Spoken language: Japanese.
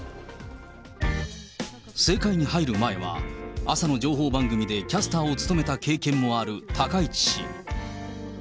政界に入る前は、朝の情報番組でキャスターを務めた経験もある高市氏。